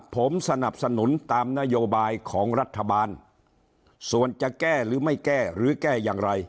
ผมสนับสนุนตามนโยบายของรัฐบาลส่วนจะแก้หรือไม่แก้หรือแก้อย่างไร